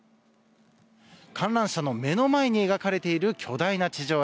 観覧車の目の前に描かれている巨大な地上絵。